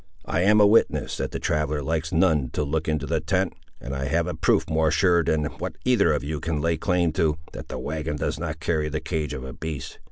I am a witness that the traveller likes none to look into the tent, and I have a proof more sure than what either of you can lay claim to, that the wagon does not carry the cage of a beast.